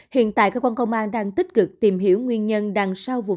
hiện tại cơ quan công an đang tích cực tìm hiểu nguyên nhân